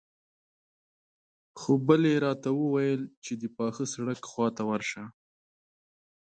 خو بلې راته وويل چې د پاخه سړک خواته ورشه.